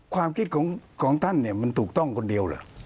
ความคิดของท่านเนี่ยมันถูกต้องคนเดียวเหรอ